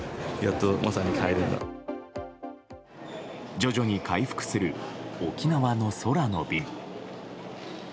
徐々に回復する沖縄の空の便。